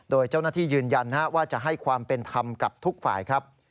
โดยเจ้าหน้าที่ยืนยันว่าจะให้ความเป็นธรรมกับทุกฝ่ายครับ